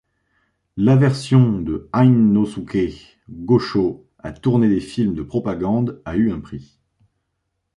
L'aversion de Heinosuke Gosho à tourner des films de propagande a eu un prix.